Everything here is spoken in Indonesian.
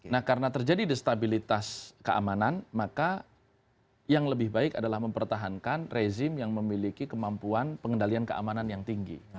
nah karena terjadi destabilitas keamanan maka yang lebih baik adalah mempertahankan rezim yang memiliki kemampuan pengendalian keamanan yang tinggi